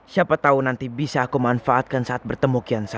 siapa tahu nanti bisa aku manfaatkan saat bertemu kian saya